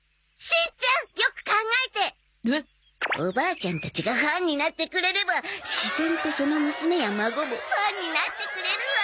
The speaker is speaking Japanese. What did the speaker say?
おばあちゃんたちがファンになってくれれば自然とその娘や孫もファンになってくれるわ。